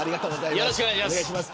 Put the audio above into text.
よろしくお願いします。